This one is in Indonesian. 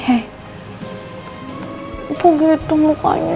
aku gitu mukanya